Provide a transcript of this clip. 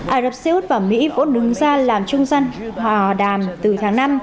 ả rập xê út và mỹ vốn đứng ra làm trung dân hòa đàm từ tháng năm